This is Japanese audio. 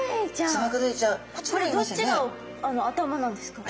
これどっちが頭なんですか？